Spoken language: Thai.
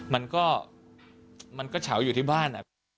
มันก็มันก็เฉาอยู่ที่บ้าน